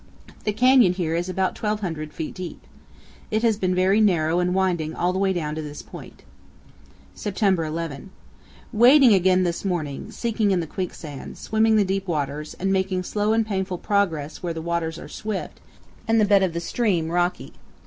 The canyon here is about 1,200 feet deep. It has been very narrow and winding all the way down to this point. September 11. Wading again this morning; sinking in the quicksand, swimming the deep waters, and making slow and painful progress where the waters are swift and the bed of the stream rocky.